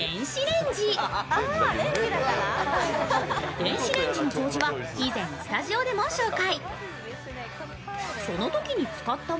電子レンジの掃除は以前、スタジオでも紹介。